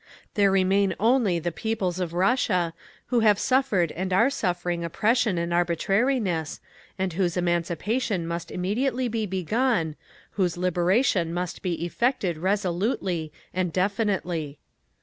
There remain only the peoples of Russia, who have suffered and are suffering oppression and arbitrariness, and whose emancipation must immediately be begun, whose liberation must be effected resolutely and definitely.